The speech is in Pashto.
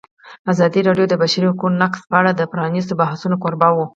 ازادي راډیو د د بشري حقونو نقض په اړه د پرانیستو بحثونو کوربه وه.